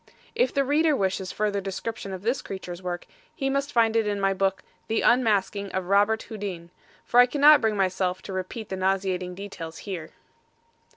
If the reader wishes further description of this creature's work, he must find it in my book, The Unmasking of Robert Houdin, for I cannot bring myself to repeat the nauseating details here.